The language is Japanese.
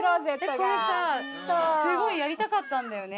これさすごいやりたかったんだよね。